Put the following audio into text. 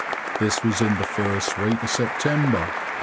This was in the first week of September, 1879.